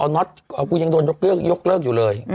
น้อสอย่างโดนยกเลิกอยู่เลย